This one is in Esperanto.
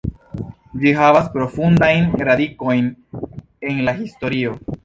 Ĝi havas profundajn radikojn en la historio.